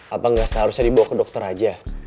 apa nggak seharusnya dibawa ke dokter aja